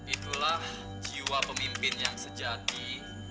itulah jiwa pemimpin yang sejati